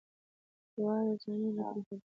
دواړي زامي یې له یخه رېږدېدلې